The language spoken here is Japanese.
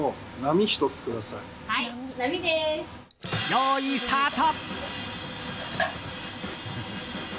用意、スタート！